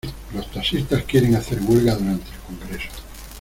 Los taxistas quieren hacer huelga durante el congreso.